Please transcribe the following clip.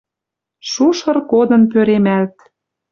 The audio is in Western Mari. Шушыр кодын пӧремӓлт.